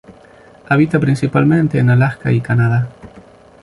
Habita principalmente en Alaska y Canadá.